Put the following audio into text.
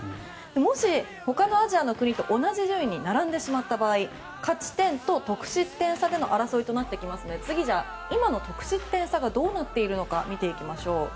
もし、他のアジアの国と同じ順位に並んだ場合勝ち点と得失点差での争いとなってきますので次、今の得失点差がどうなっているか見ていきます。